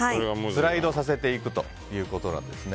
スライドさせていくということなんです。